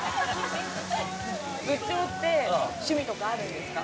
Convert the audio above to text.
部長って趣味とかあるんですか？